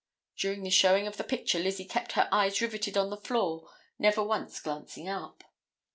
During the showing of the picture Lizzie kept her eyes riveted on the floor, never once glancing up.